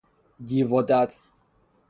دیو و دد